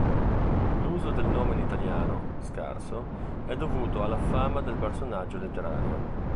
L'uso del nome in italiano, scarso, è dovuto alla fama del personaggio letterario.